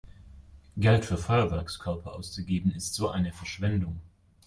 Geld für Feuerwerkskörper auszugeben ist so eine Verschwendung!